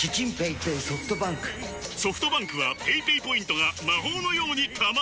ソフトバンクはペイペイポイントが魔法のように貯まる！